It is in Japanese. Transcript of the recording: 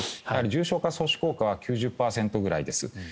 重症化阻止効果が９０％ぐらいです。